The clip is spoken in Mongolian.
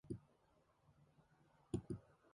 Ай халаг гэж одоо яах билээ.